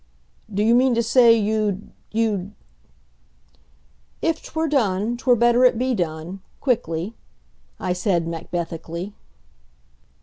"Do you mean to say you'd you'd " "If 'twere done, 'twere better it'd be done quickly," I said Macbethically.